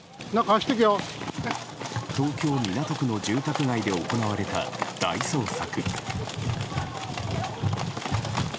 東京・港区の住宅街で行われた大捜索。